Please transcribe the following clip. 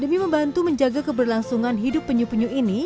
demi membantu menjaga keberlangsungan hidup penyu penyu ini